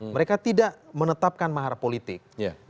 mereka tidak menetapkan mahar politik